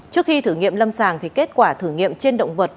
trước khi thử nghiệm lâm sàng thì kết quả thử nghiệm trên động vật